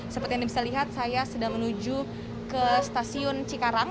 seperti yang bisa lihat saya sedang menuju ke stasiun cikarang